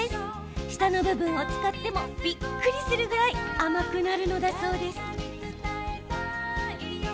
下の部分を使ってもびっくりするぐらい甘くなるのだそうです。